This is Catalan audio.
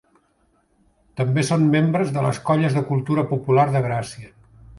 També són membres de les Colles de Cultura Popular de Gràcia.